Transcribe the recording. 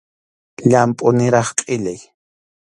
Llampʼu niraq qʼillay.